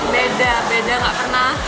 beda beda enggak pernah